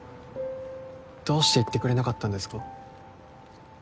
どうして言ってくれなかったんですか？